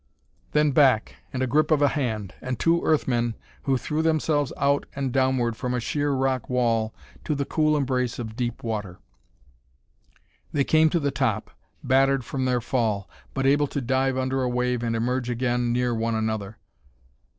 Then back and a grip of a hand! and two Earth men who threw themselves out and downward from a sheer rock wall to the cool embrace of deep water. They came to the top, battered from their fall, but able to dive under a wave and emerge again near one another.